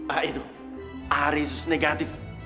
ah itu aresus negatif